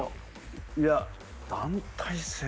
いや団体戦？